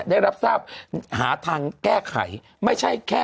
ได้รับทราบหาทางแก้ไข